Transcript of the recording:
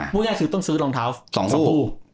พูดง่ายคือต้องซื้อลองเท้า๒คู่